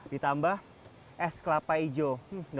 ditambah es kelapa hijau